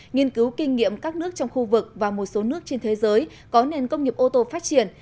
nghiên cứu kinh nghiệm các nước trong khu vực và một số nước trên thế giới có nền công nghiệp ô tô phát triển